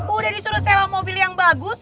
udah disuruh sewa mobil yang bagus